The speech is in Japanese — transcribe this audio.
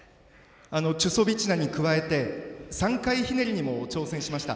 チュソビチナに加えて３回ひねりにも挑戦しました。